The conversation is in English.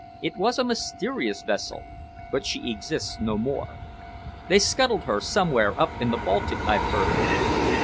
It was a mysterious vessel, but she exists no more. They scuttled her somewhere up in the Baltic, I've heard."